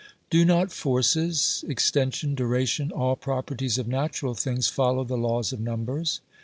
Do not forces, extension, duration, all properties of natural things, follow the laws of numbers